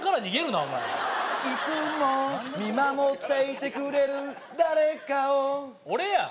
なお前いつも見守っていてくれる誰かを俺や！